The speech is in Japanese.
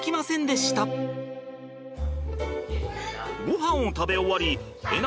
ごはんを食べ終わり笑